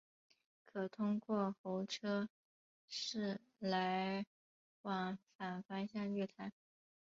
可通过候车室来往反方向月台。